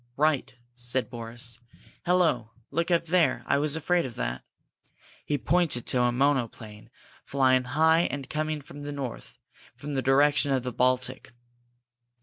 "Right!" said Boris. "Hello look up there! I was afraid of that!" He pointed to a monoplane, flying high and coming from the north, from the direction of the Baltic.